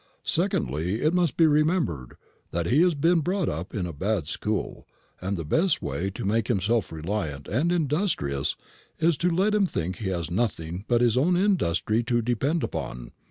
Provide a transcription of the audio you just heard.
Secondly, it must be remembered, that he has been brought up in a bad school, and the best way to make him self reliant and industrious is to let him think he has nothing but his own industry to depend upon.